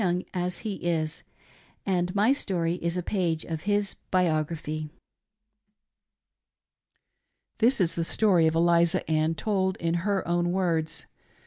Young as he is, and my story is a page of his biography. This is the story of Eliza Ann — told in her own words.